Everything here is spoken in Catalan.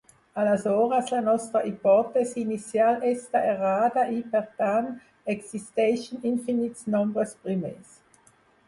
Aleshores, la nostra hipòtesi inicial està errada i, per tant, existeixen infinits nombres primers.